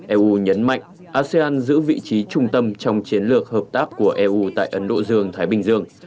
eu nhấn mạnh asean giữ vị trí trung tâm trong chiến lược hợp tác của eu tại ấn độ dương thái bình dương